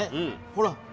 ほら。